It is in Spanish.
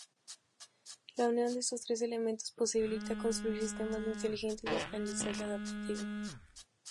La unión de estos tres elementos posibilita construir sistemas inteligentes de aprendizaje adaptativo.